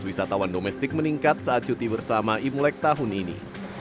wisatawan domestik meningkat saat cuti bersama imlek tahun ini